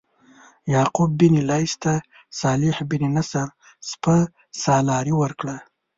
یعقوب بن لیث ته صالح بن نصر سپه سالاري ورکړه.